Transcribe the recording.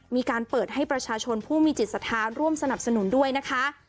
มีการเปิดให้ประชาชนผู้มีจิตศรัทธาร่วมสนับสนุนด้วยนะคะ